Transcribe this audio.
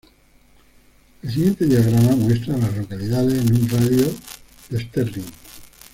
El siguiente diagrama muestra a las localidades en un radio de de Sterling.